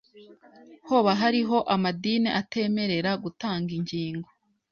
Hoba hariho amadini atemerera gutanga ingingo?